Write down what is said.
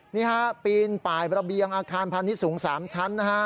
นี่ค่ะปีนป่ายประเบียงอาคารพันธุ์ที่สูง๓ชั้นนะฮะ